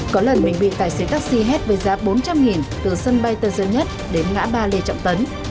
có lần mình bị tài xế taxi hết với giá bốn trăm linh từ sân bay tân sơn nhất đến ngã ba lê trọng tấn